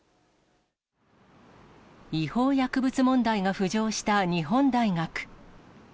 違法薬物問題が浮上した日本大学。